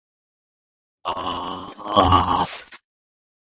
She also figured in other musicals, such as Rock 'n Jam musicals.